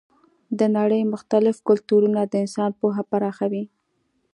د نړۍ مختلف کلتورونه د انسان پوهه پراخوي.